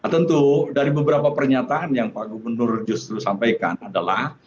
tentu dari beberapa pernyataan yang pak gubernur justru sampaikan adalah